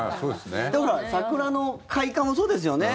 桜の開花もそうですよね？